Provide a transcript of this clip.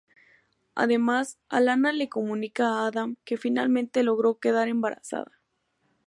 Además, Alanna le comunica a Adam que finalmente logró quedar embarazada.